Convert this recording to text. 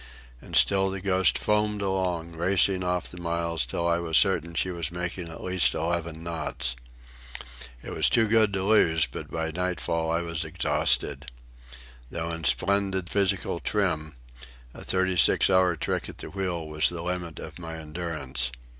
And still the Ghost foamed along, racing off the miles till I was certain she was making at least eleven knots. It was too good to lose, but by nightfall I was exhausted. Though in splendid physical trim, a thirty six hour trick at the wheel was the limit of my endurance.